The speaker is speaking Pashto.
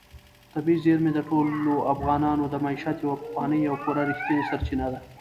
طبیعي زیرمې د ټولو افغانانو د معیشت یوه پخوانۍ او پوره رښتینې سرچینه ده.